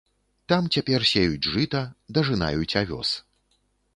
Там цяпер сеюць жыта, дажынаюць авёс.